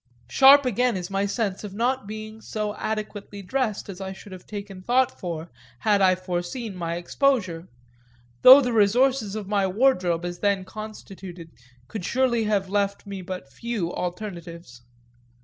Sharp again is my sense of not being so adequately dressed as I should have taken thought for had I foreseen my exposure; though the resources of my wardrobe as then constituted could surely have left me but few alternatives.